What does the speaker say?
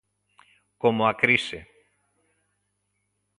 Como a crise.